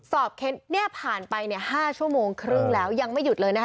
สอบเคนทร์นี้ผ่านไป๕ชั่วโมงครึ่งแล้วยังไม่หยุดเลยนะ